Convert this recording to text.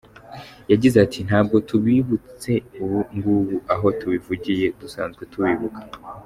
Yagize ati “ Ntabwo tubibutse ubu ng’ubu aho bivugiwe dusanzwe tubibuka.